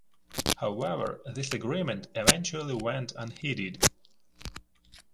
However, this agreement eventually went unheeded.